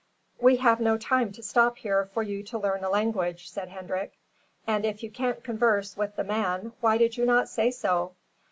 "We have no time to stop here for you to learn a language," said Hendrik. "And if you can't converse with the man why did you not say so?